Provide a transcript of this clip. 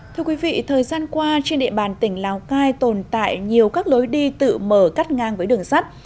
thưa quý vị thời gian qua trên địa bàn tỉnh lào cai tồn tại nhiều các lối đi tự mở cắt ngang với đường sắt